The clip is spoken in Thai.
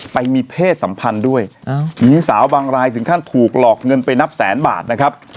ไปมีเพศสัมพันธ์ด้วยหญิงสาวบางรายถึงขั้นถูกหลอกเงินไปนับแสนบาทนะครับ